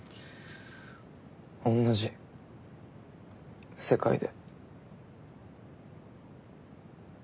おんなじ世界で。